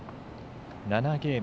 ７ゲーム